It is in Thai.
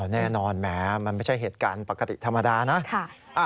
แน่นอนแหมมันไม่ใช่เหตุการณ์ปกติธรรมดานะ